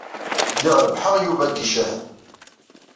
Lliɣ rebbḥeɣ Yuba deg yicahen.